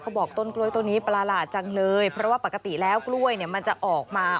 บอกต้นกล้วยต้นนี้ประหลาดจังเลยเพราะว่าปกติแล้วกล้วยเนี่ยมันจะออกมา